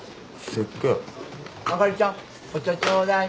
あかりちゃんお茶ちょうだい。